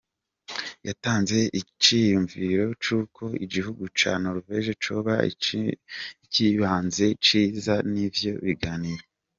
Yatanze iciyumviro c'uko igihugu ca Norvege coba ikibanza ciza c'ivyo biganiro.